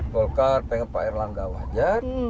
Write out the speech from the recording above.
golkar pengen pak erlangga wajar